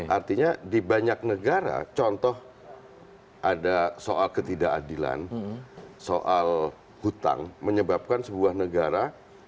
artinya di banyak negara contoh ada soal ketidakadilan soal hutang menyebabkan sebuah negara